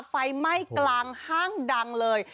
ไฟไหม้กลางห้างดังเลย